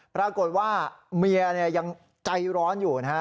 ปรากฏว่าเมียยังใจร้อนอยู่นะฮะ